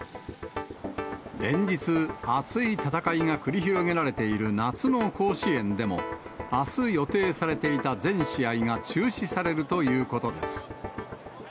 連日、熱い戦いが繰り広げられている夏の甲子園でも、あす予定されていた全試合が中止されるということです。